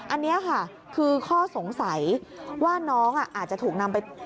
อันนี้ค่ะคือข้อสงสัยว่าน้องอาจจะถูกนำไป